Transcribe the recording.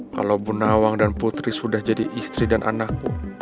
kalau bu nawang dan putri sudah jadi istri dan anakku